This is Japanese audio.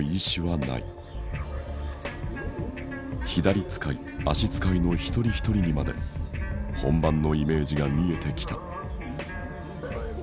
左遣い足遣いの一人一人にまで本番のイメージが見えてきた。